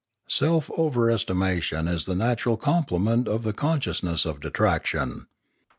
Self overestimation is the natural complement of the consciousness of detraction.